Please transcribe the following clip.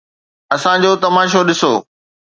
اسان جو تماشو ڏسو.